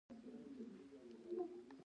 چای د ذهني آرامتیا لامل دی